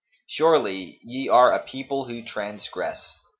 Surely ye are a people who transgress!'